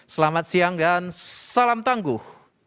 selamat siang dan salam tangguh